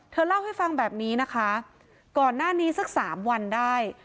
เล่าให้ฟังแบบนี้นะคะก่อนหน้านี้สักสามวันได้